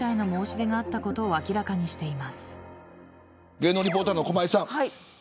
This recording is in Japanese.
芸能リポーターの駒井さん。